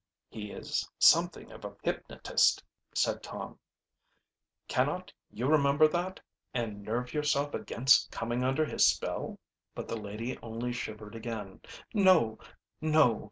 "He is something of a hypnotist," said Tom. "Cannot you remember that, and nerve yourself against coming under his spell?" But the lady only shivered again. "No! no!